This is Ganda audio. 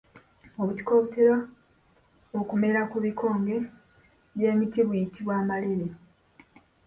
Obutiko obutera okumera ku bikonge by’emiti buyitibwa amaleere.